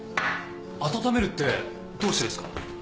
温めるってどうしてですか？